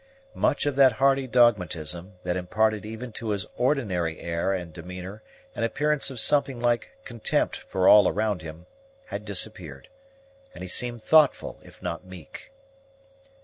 Much of that hearty dogmatism, that imparted even to his ordinary air and demeanor an appearance of something like contempt for all around him, had disappeared, and he seemed thoughtful, if not meek.